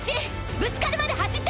ぶつかるまで走って！